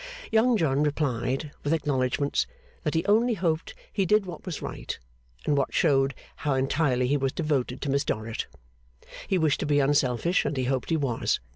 Young John replied, with acknowledgments, that he only hoped he did what was right, and what showed how entirely he was devoted to Miss Dorrit. He wished to be unselfish; and he hoped he was.